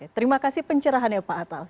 terima kasih pencerahannya pak atal